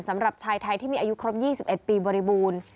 สำหรับชายไทยที่มีอายุครบ๒๑ปีบริบูรณ์